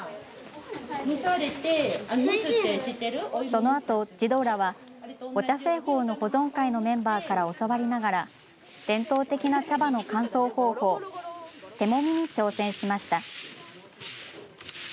そのあと児童らはお茶製法の保存会のメンバーから教わりながら伝統的な茶葉の乾燥方法、手もみに挑戦しました。